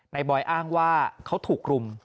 บอยอ้างว่าเขาถูกรุม